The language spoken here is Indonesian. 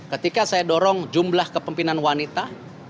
ketika saya dorong jumlah kepemimpinan wanita